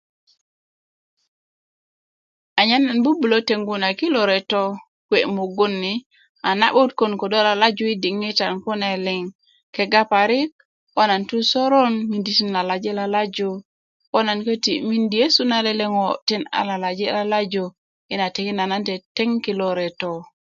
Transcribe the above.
anyen nan bubulö tengu na kilo retö kuwe mugun ni a na'but kon kodo lalaju i diŋitan kune liŋ kega parik ko nan tu i sörön ti nan lalaji lalaju ko nan koti mindi nyesu na lele ŋo tin a lalaji lalaju ina tikinda nan teteŋ kilo retö